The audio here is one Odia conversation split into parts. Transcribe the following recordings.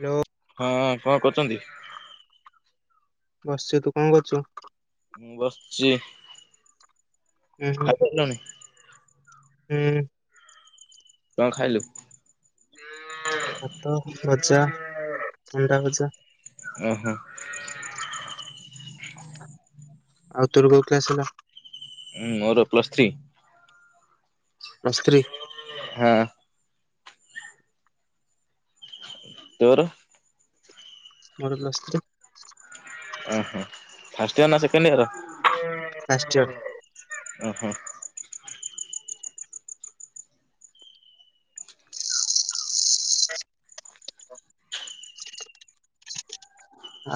ହାଲୋ ହଁ କଣ କରୁଛନ୍ତି? ବସିଛି ତୁ କଣ କରୁଛୁ? ମୁଁ ବସିଛି, ଉଁ ହୁଁ ଖାଇସାଇଲୁଣି? ହୁଁ। କଣ ଖାଇଲୁ? ଭାତ, ଭଜା, ଅଣ୍ଡା ଭଜା ଓ ହୋ ଆଉ ତୋର କୋଉ କ୍ଲାସ୍ ହେଲା ଉଁ ମୋର ପ୍ଲସ୍ ଥ୍ରୀ। Plus three. ହଁ। ତୋର। ମୋର ପ୍ଲସ୍ ଟୁ। ଓହୋ ଫାଷ୍ଟ ଇୟର ନା ସେକେଣ୍ଡ ଇୟର? ଫାର୍ଷ୍ଟୟର୍ [unintelligible] ଓହୋ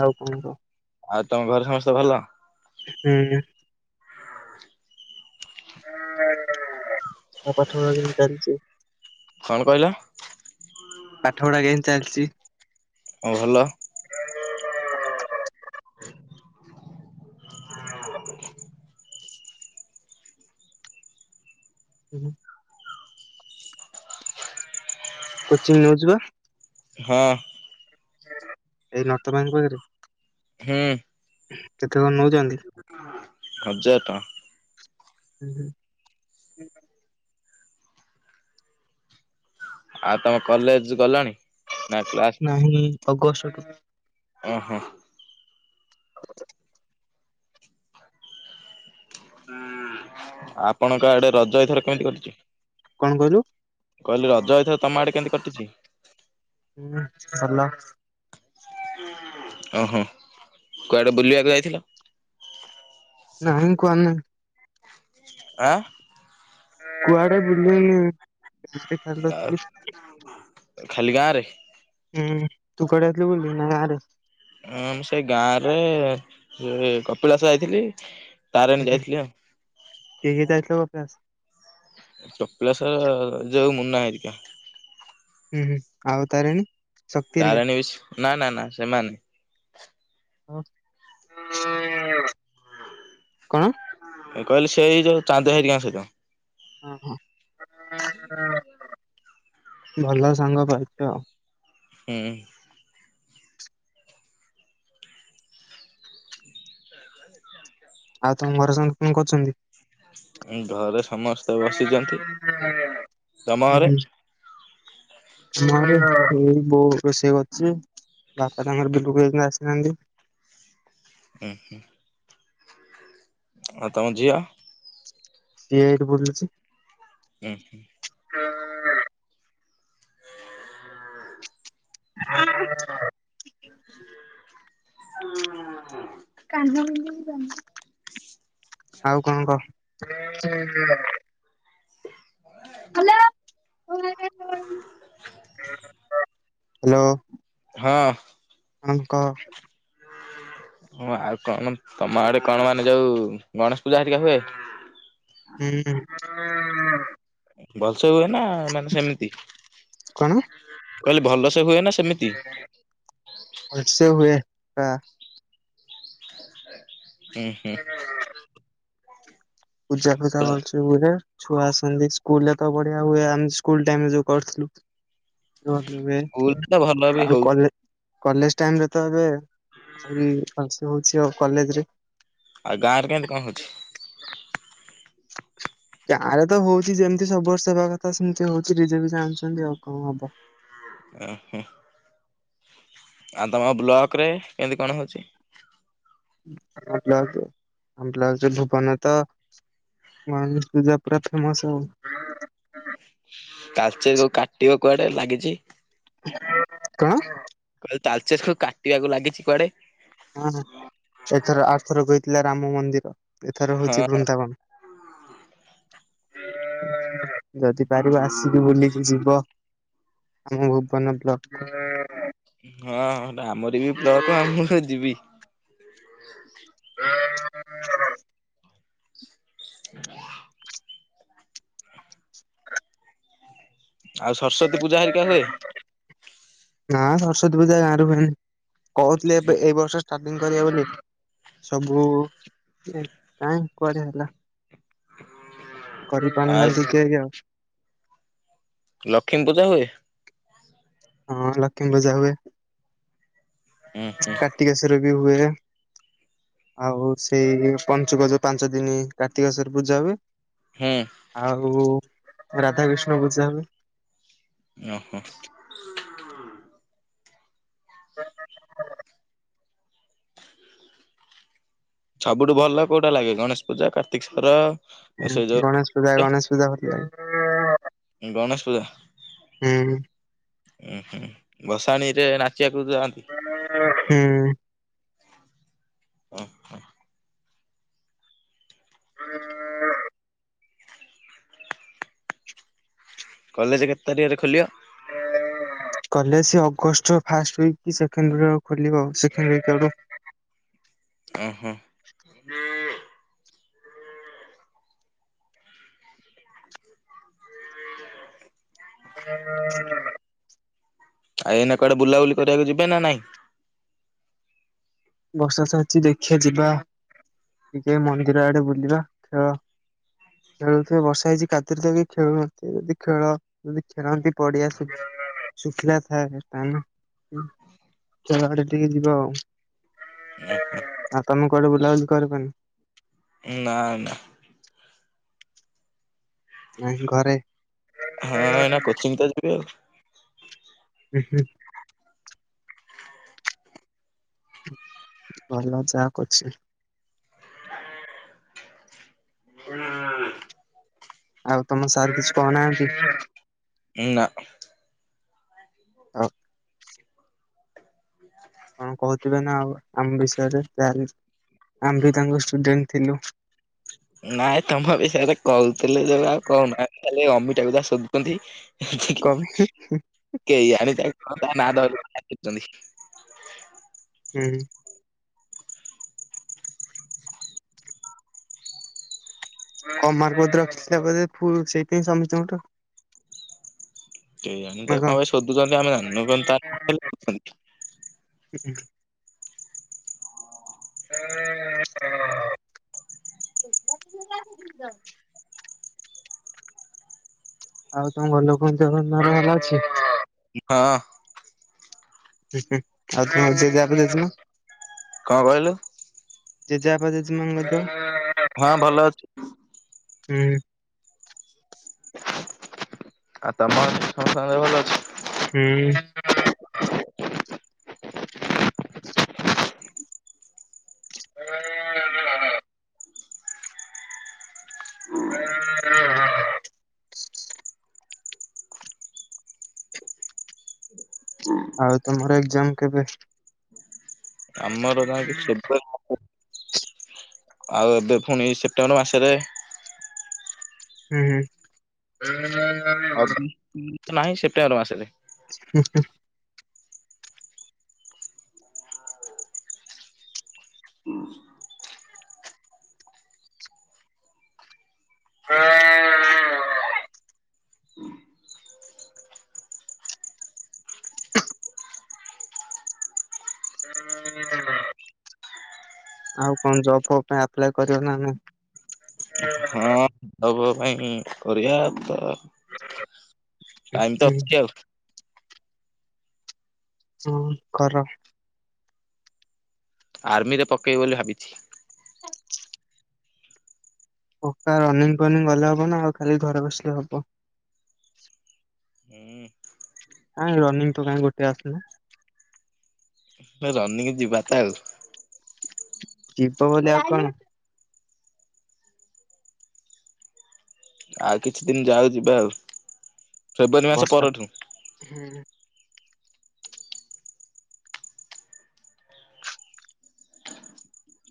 ଆଉ କଣ କହ? ଆଉ ତମ ଘରେ ସମସ୍ତେ ଭଲ। ହୁଁ। ଆଉ ପାଠ ପଢା କେମିତି ଚାଲିଛି? କଣ କହିଲ? ପାଠ ପଢା କେମ୍ ତି ଚାଲିଛି। ହଁ ଭଲ। ଉ ହୁଁ। କୋଚିଂ ନଉଛୁ ପା? ହଁ। ଏଇ ରଥ ମ୍ୟାମ୍ ପାଖରେ [unintelligible] ହୁଁ। କେତେ କଣ ନଉଛନ୍ତି? ହଜାର ଟଙ୍କା। ହୁଁ, ହୁଁ। ଆଉ ତମେ କଲେଜ୍ ଗଲଣି? ନା କ୍ଲାସ ନାହିଁ ଅଗଷ୍ଟଠୁ। ଓହୋ [inaudible] ଆପଣଙ୍କ ଆଡେ ରଜ ଏଥର କେମିତି କଟିଛି? କଣ କହିଲୁ? କହିଲି ରଜ ଏଥର ତମ ଆଡେ କେମିତି କଟିଛି। ହୁଁ ଭଲ। [inaudible] ଓହଁ, କୁଆଡ଼େ ବୁଲିବାକୁ ଯାଇଥିଲ? ନାଇନ୍ କୁହନା। ଆ କୁଆଡେ ବୁଲି [unintelligible] ଖାଲି ଗାଁରେ। ହୁଁ, ତୁ କୁଆଡେ ଯାଇଥିଲୁ ବୁଲି, ନା ଗାଁରେ? ହଁ ମୁ ସେଇ ଗାଁରେ ସେ କପିଳାସ ଯାଇଥିଲି, ତାରିଣୀ ଯାଇଥିଲି, ଆଉ କିଏ କିଏ ଯାଇଥିଲ ପାସ୍? କପିଳାଶର ଯୋଉ ମୁନା ଘରିକା। ହୁଁ ହୁଁ ଆଉ ତାରିଣୀ। ଶକ୍ତି ହେରିକା? ତାରାଣୀସ? ନା ନା ନା ସେମାନେ। [unintelligible] କଣ କହିଲେ ସେ ଯୋଉ ଚାନ୍ଦ ହେଇ ଗିଲାସ ଘରିିକା। ହୁଁ ହୁଁ। ଆ [unintelligible] ଭଲ ସାଙ୍ଗ ପାଇଛ ଆଉ ହୁଁ। ଆଉ ତମ ଘର ସାଙ୍ଗ ଫେନ୍ କରୁଛନ୍ତି। ଘରେ ସମସ୍ତେ ବସିଛନ୍ତି, ତମ ଘରେ? ଏଇ ବୋଉ ରୋଷେଇ କରିଛି। ବାପା ତାଙ୍କର ବିଲକୁ [unintelligible] ଆସିନାହାନ୍ତି। ଓହୋ। ଆଉ ତମ ଝିଅ? ସିଏ ଏଇଠି କୋଉଠି ଅଛି। ଆହା। [inaudible] [inaudible] [inaudible] ଆଉ କଣ କହ? [inaudible] [inaudible] ହ୍ୟାଲୋ ହାଁ। ଆଙ୍କ କହ। ହଁ, ଆଉ କଣ ତମ ଆଡେ କଣ, ମାନେ ଯୋଉ ଗଣେଶ ପୂଜା, ଘରିକା ହୁଏ? ହୁଁ। ଭଲସେ ହୁଏ ନା, ମାନେ ସେମିତି କଣ କହିଲି ଭଲ ସେ ହୁଏ ନା ସେମିତି। ଭଲସେ ହୁଏ କା। ହୁଁ ହୁଁ। ପୂଜା ଫୂଜା ପୁରା ଭଲସେ ହୁଏ। ଛୁଆ ଆସନ୍ତି, ସ୍କୁଲରେ ତ ବଢିଆ ହୁଏ ଆମେ ସ୍କୁଲ ଟାଇମରେ ଯୋଉଁ କରିଥିଲୁ। ସ୍କୁଲ [unintelligible] ତ ଭଲ ବି ଆଉ ହଉଛି କଲେ। କଲେଜ ଟାଇମ ରେ ତ ଏବେ ଆହୁରି ଭଲସେ ହଉଛି ଆଉ କଲେଜରେ। ଆଉ ଗାଁରେ କେମିତି କଣ ହଉଛି? [inaudible] ଗାଁ ରେ ତ ହଉଛି ଯେମିତି ସବୁ ବର୍ଷ ହବା କଥା ସେମିତି ହଉଛି ଡିଜେ ଫିଜେ ଆଣିଛନ୍ତି ଆଉ କଣ ହବ। ଓହୋ ଆଉ ତମ ବ୍ଲକ ରେ କେମିତି କଣ ହଉଛି। ଆମ ବ୍ଲକ ଆମ ବ୍ଲକ ରେ ଧୁ ଗଣେଶ ପୂଜା ପୁରା ଫେମସ ଆଉ। ତାଳଚେର ଯୋଉ କାଟିବ କୁଆଡେ ଲାଗିଛି। କଣ। ଯୋଉ ତାଲଚେର କୁ କାଟିବାକୁ ଲାଗିଛି କୁଆଡେ। ହଁ ସେଥର ଆର ଥର ହେଇଥିଲା ରାମ ମନ୍ଦିର ଏଥର ହଉଛି ବୃନ୍ଦାବନ। ହଁ ଯଦି ପାରିବ ଆସିକି ବୁଲିକି ଯିବ। ଆମ ଭୁବନ ବ୍ଲକ କୁ। ହଁ ସେଇଟା ଆମର ବି ବ୍ଲକ ଆ ମୁ କଁ ଯିବି। ହ ହ ଆଉ ସରସ୍ଵତୀ ପୂଜା ହରିକା ହୁଏ। ନା ସରସ୍ଵତୀ ପୂଜା ଗାଁରୁ ହୁଏନି କହୁଥିଲେ ଏବେ ଏଇ ବର୍ଷ। ଷ୍ଟାର୍ଟିଙ୍ଗ କରିବେ ବୋଲି ସବୁ କାହିଁ କୁଆଡେ ହେଲା। କରିପାରୁ ଆଉ ନାହାନ୍ତି କେହି ଆଉ। ଲକ୍ଷ୍ମୀ ପୂଜା ହୁଏ। ହଁ ଲକ୍ଷ୍ମୀ ପୂଜା ହୁଏ ହୁଁ ହୁଁ କାର୍ତ୍ତିିକେଶ୍ଵର ବି ହୁଏ। ଆଉ ସେଇ ପଞ୍ଚୁକ ଯୋଉ ପାଞ୍ଚ ଦିନ କାର୍ତ୍ତିକସରେ ପୂଜା ହୁଏ। ହୁଁ। ଆଉ ରାଧାକୃଷ୍ଣ ପୂଜା ହୁଏ। ଉଁ ହୁଁ। ହ ସବୁଠୁ ଭଲ କୋଉଟା ଲାଗେ ଗଣେଶ ପୂଜା କାର୍ତ୍ତିକ ସ୍ଵୋର। ହୁଁ ଗଣେଶ ପୂଜା ଗଣେଶ ପୂଜା ଭଲ ଲାଗେ। ଉଁ ଗଣେଶ ପୂଜା। ହୁଁ। ଉଁ ହୁଁ ଭସାଣି ରେ ନାଚିବାକୁ ଯାଆନ୍ତି। ହଁ ହଁ ହୁଁ। ହଁ ହ କଲେଜ କେତେ ତାରିଖରେ ଖୋଲିବ। ହୁଁ କଲେଜ ସେଇ ଅଗଷ୍ଟ ଫାଷ୍ଟ ଓଇକି କି ସେକେଣ୍ଡ ରେ ଖୋଲିବ ସେକେଣ୍ଡ ଉଇକ୍ ଆଡକୁ। ଉଁ ହୁଁ। ହ ସେ ଆଉ ଏଇନା କୁଆଡେ ବୁଲା ବୁଲି କରିବାକୁ ଯିବେ ନା ନାଇଁ। ବର୍ଷା ଛାଡିଛି ଦେଖିବା ଯିବା ଟିକେ ମନ୍ଦିର ଆଡେ ବୁଲିବା ଖେଳ। ଖେଳୁଥିବେ ବର୍ଷା ହେଇଛି କାଦୁଅ ରେ ତ କେହି ଖେଳୁ ନଥିବେ ଯଦି ଖେଳ। ଯଦି ଖେଳନ୍ତି ପଡିଆ ଶୁ ଶୁଖିଲା ଥାଏ ତାନେ। ଖେଳ ଆଡେ ଟିକେ ଯିବା ଆଉ। ଆଉ ତମେ କୁଆଡେ ବୁଲାବୁଲି କରିିବନି। ଉଁ ନା ନା। ନାଇ ଘରେ। ହଁ ଏନା କୋଚିଂ ତ ଯିବି ଆଉ। ହୁଁ ହୁଁ। ଭଲ ଯାହା କରିଛି। [unintelligible] ଆଉ ତମ ସାର୍ କିଛି କହୁନାହାନ୍ତି? ଉଁ ନା। ଆଉ କଣ କହୁଥିବେ ନା ଆଉ। ଆମ ବିଷୟରେ ଯାହାହେଲେ ଆମ ବି ତାଙ୍କ ଷ୍ଟୁଡେଣ୍ଟ ଥିଲୁ। ନାଇଁ ତମ ବିଷୟରେ କହୁଥିଲେ ଯୋଉ ଆଉ କହୁନା ଖାଲି ଅମିତାକୁ ଯାହା ଶୋଧୁଛନ୍ତି। କବି କେହିଆଣି ତା ନାଁ ଧରି [inaudible] ଚିଡୁଛନ୍ତି। ହୁଁ। ଅମାରପଦ୍ର ରଖିଥିଲା ବୋଧେ ସେଇଥିପାଇଁ ସମସ୍ତଙ୍କଠୁ। କେଇଜାଣି ତାକୁ କଣ ପାଇଁ ଶୋଧୁଛନ୍ତି ଆମେ ଜାଣିନୁ [inaudible] ହଁ। ହଁ ନା। ଆଉ ତମ ଘର ଲୋକଙ୍କ ଦିହପା ଭଲ ଅଛି? ହଁ। ଆଉ ତମ ଜେଜେ ବାପା ଜେଜେ କଣ ମାଆ? କହିଲୁ ଜେଜେବାପା ଜେଜେମାଆ ଙ୍କ ହଁ ଦେହ? ଭଲ ଅଛି ହୁଁ। ଆଉ ତମ [inaudible] ସମସ୍ତଙ୍କର ଦେହ ଭଲ ଅଛି? ହୁଁ। ହଁ ହଁ ହଁ ହଁ ହଁ ହଁ ଆଉ ତମର ଏକ୍ଜାମ କେବେଠୁ? ଆମର ଯାଇକି ଫେବୃଆରୀ ମାସରେ। ଆଉ ଏବେ ପୁଣି ସେପ୍ଟେମ୍ବର ମାସରେ। ହୁଁ। [inaudible] ଆଉ ନାହିଁ ସେପ୍ଟେମ୍ବର ମାସରେ। ହୁଁ ହୁ। [inaudible] ଆଉ କଣ ଜବ ଫବ ପାଇଁ ଅପ୍ଲାଏ କରିବ ନା ନାହିଁ? ହଁ ଜବ ଫବ ପାଇଁ କରିବା ତ ଟାଇମ ତ ହୁଁ ଅଛି ଆଉ। ହଁ କର। ଆର୍ମିରେ ପକେଇବି ବୋଲି ଭାବିଛି। ପକା ରନିଂ ଫନିଂ ଗଲେ ହବ ନା ଆଉ ଖାଲି ଘରେ ବସିଲେ ହବ। ହୁଁ। କାଇଁ ରନିଙ୍ଗ ତ କାଇଁ ଗୋଟେ ଆସୁନି। ଏ ରନିଂ ଯିବା ତ ଆଉ। ଯିବ ବୋଲି ଆଉ କଣ। ଆଉ କିଛି ଦିନ ଯାଉ ଯିବା ଆଉ ଫେବୃଆରୀ ମାସ ପରଠୁ ହୁଁ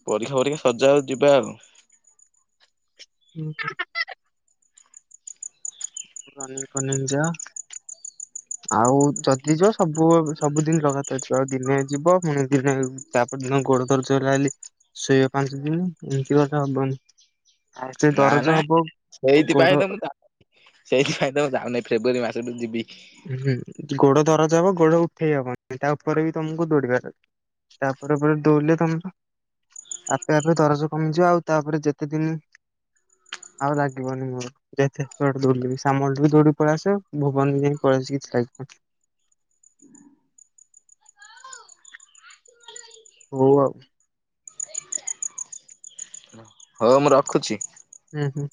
ପରୀକ୍ଷା ପରୀକ୍ଷା ସଜା ଯିବା ଆଉ। ଉଁ ରନିଂ ଫନିଙ୍ଗି ଯା ଆଉ ଯଦି ଯିବ ସବୁ ସବୁଦିନ ଲଗାତାର ଯିବ ଆଉ ଦିନେ ଯିବ ପୁଣି ଦିନେ ତାପର ଦିନ ଗୋଡ ଦରଜ ହେଲା ବୋଲି ଶୋଇବା ପାଞ୍ଚ ଦିନ ଏମିତି କଥା ହବନି। ଆଉ ସେ ନା ନା ଦରଜ ହବ ସେଇଥିପାଇଁ ଗୋଡ ତ ମୁଁ ସେଇଥିପାଇଁ ତ ମୁଁ ଯାଉନିଁ ଫେବୃୟରୀ ମାସରେ ଯିବି। ହୁଁ ଗୋଡ ଦରଜ ହବ ଗୋଡ ଉଠେଇ ହବନ ତା ଉପରେ ବି ତମକୁ ଦୌଡିବାର ଅଛି। ତାପରେ ପରେ ଦୌଉଲେ ତମ୍ ଆପେ ଆପେ ଦରଜ କମିଯିବ ଆଉ ତାପରେ ଯେତେ ଦିନ ଆଉ ଲାଗିବନି ମୋର ଯେତେ ଦୌଡିଲିବି ସାମଲ ଦୌଡି ପଳେଇ ଆସ ଭୁବନ ବି ଯାଇ [unintelligible] ହଉ ଆଉ ହଉ ମୁଁ ରଖୁଛି। ଉଁ ହୁଁ